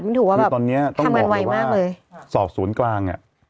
มันถูกว่าแบบทำกันไวมากเลยคือตอนนี้ต้องบอกเลยว่าสอบศูนย์กลางเนี่ย